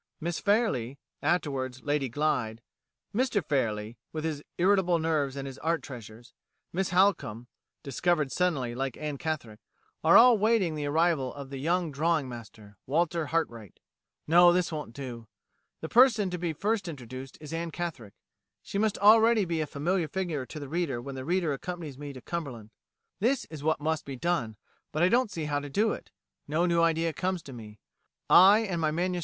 Miss Fairlie (afterwards Lady Glyde); Mr Fairlie, with his irritable nerves and his art treasures; Miss Halcombe (discovered suddenly, like Anne Catherick), are all waiting the arrival of the young drawing master, Walter Hartwright. No; this won't do. The person to be first introduced is Anne Catherick. She must already be a familiar figure to the reader when the reader accompanies me to Cumberland. This is what must be done, but I don't see how to do it; no new idea comes to me; I and my MS.